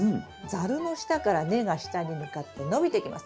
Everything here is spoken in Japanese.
ザルの下から根が下に向かって伸びていきます。